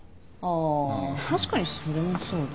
あ確かにそれもそうね。